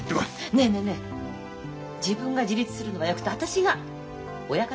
ねえねえねえ自分が自立するのがよくて私が親方離れするの嫌なんだ。ね！